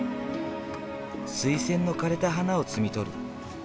スイセンの枯れた花を摘み取る。